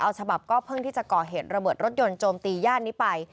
เอาฉบับก็เพิ่งที่จะก่อเหตุระเบิดรถยนต์โจมตีย่านนี้ไป